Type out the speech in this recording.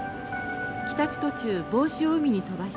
途中帽子を海に飛ばした。